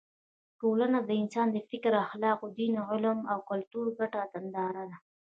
ټولنه د انسان د فکر، اخلاقو، دین، علم او کلتور ګډه ننداره ده.